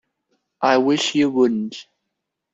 I wish you wouldn't.